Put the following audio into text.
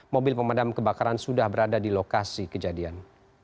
mobil pemadam kebakaran sudah berada di lokasi kejadian